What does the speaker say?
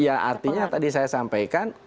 ya artinya tadi saya sampaikan